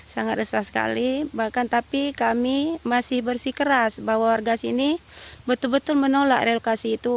sangat resah sekali bahkan tapi kami masih bersikeras bahwa warga sini betul betul menolak relokasi itu